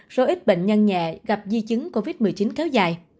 số ít bệnh nhân nhẹ gặp di chứng covid một mươi chín kéo dài